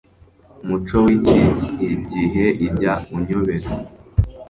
Umuco wikihgihe ijya unyobera